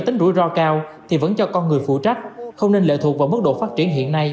tính rủi ro cao thì vẫn cho con người phụ trách không nên lệ thuộc vào mức độ phát triển hiện nay